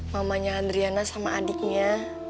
mamanya adriana sama adiknya